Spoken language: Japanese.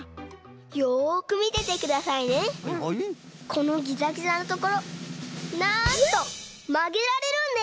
このギザギザのところなんとまげられるんです！